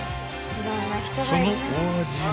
［そのお味は］